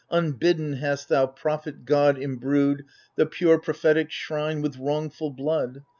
Unbidden, hast thou, prophet god, imbrued The pure prophetic shrine with wrongful blood